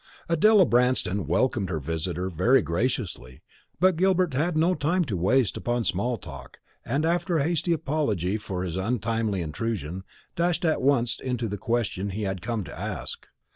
Adela Branston welcomed her visitor very graciously; but Gilbert had no time to waste upon small talk, and after a hasty apology for his untimely intrusion, dashed at once into the question he had come to ask.